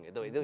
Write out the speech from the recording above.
itu itu itu